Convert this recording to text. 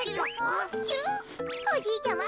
おじいちゃま